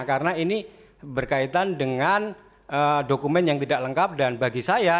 karena ini berkaitan dengan dokumen yang tidak lengkap dan bagi saya